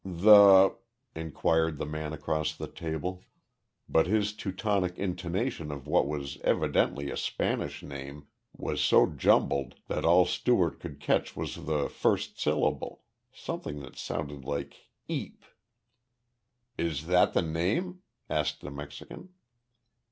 "The ?" inquired the man across the table, but his Teutonic intonation of what was evidently a Spanish name was so jumbled that all Stewart could catch was the first syllable something that sounded like "Eep." "Is that the name?" asked the Mexican.